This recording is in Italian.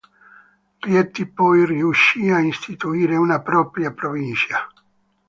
Rieti poi riuscì a istituire una propria provincia.